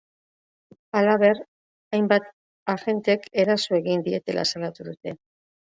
Halaber, hainbat agentek eraso egin dietela salatu dute.